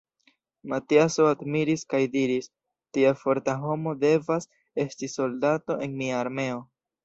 Matiaso admiris kaj diris: Tia forta homo devas esti soldato en mia armeo.